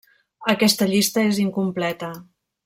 Aquesta llista és incompleta.